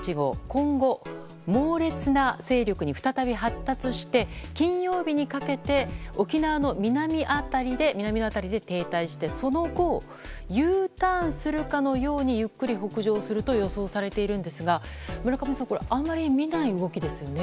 今後、猛烈な勢力に再び発達して金曜日にかけて沖縄の南の辺りで停滞してその後、Ｕターンするかのようにゆっくり北上すると予想されているんですが村上さんあまり見ない動きですね。